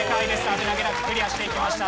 危なげなくクリアしていきました。